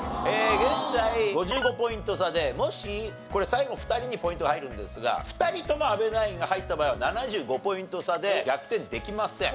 現在５５ポイント差でもしこれ最後２人にポイントが入るんですが２人とも阿部ナインが入った場合は７５ポイント差で逆転できません。